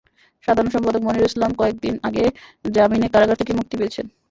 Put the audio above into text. সাধারণ সম্পাদক মনিরুল ইসলাম কয়েক দিন আগে জামিনে কারাগার থেকে মুক্তি পেয়েছেন।